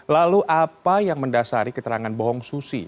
lalu apa yang mendasari keterangan bohong susi